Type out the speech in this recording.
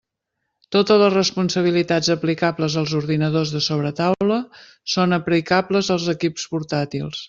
Totes les responsabilitats aplicables als ordinadors de sobretaula són aplicables als equips portàtils.